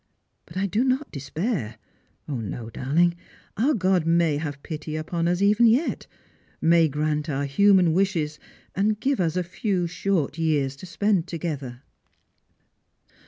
But I do not despair; no, darlin^ our God may have pity upon us even yet, may grant our human wishes, and give us a few short years to spend to gether."